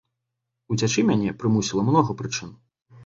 Уцячы мяне прымусіла многа прычын.